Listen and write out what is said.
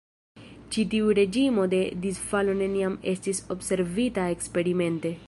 Ĉi tiu reĝimo de disfalo neniam estis observita eksperimente.